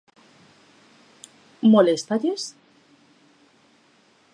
¿Moléstalles?